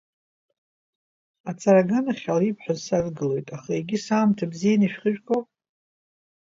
Аҵара аган ахь ала ибҳәаз садгылоит, аха егьыс аамҭа бзианы ишәхыжәгоу?